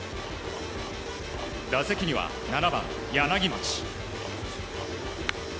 打席には７番、柳町。